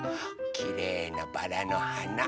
きれいなバラのはな。